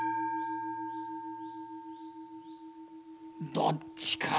どっちかな？